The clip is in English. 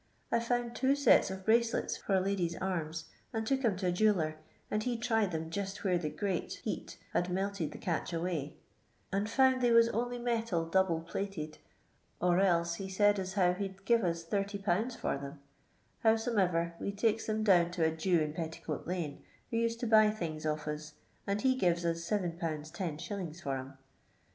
I found two sets of bracelets for a lady's arms, and took 'em to a jeweller, and he tried them jist where the " great " heat had melted the catch away, and found they was only metal double phited, or else he said as now he 'd give ns thirty pounds for them ; howsomever, we takes them down to a Jew in Petticoat lane, who used to buy things of US, and he givea us 7^ lOf. for *em.